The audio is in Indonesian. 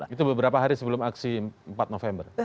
itu beberapa hari sebelum aksi empat november